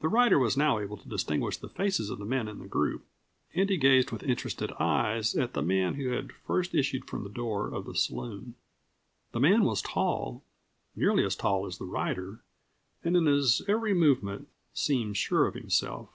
The rider was now able to distinguish the faces of the men in the group, and he gazed with interested eyes at the man who had first issued from the door of the saloon. The man was tall nearly as tall as the rider and in his every movement seemed sure of himself.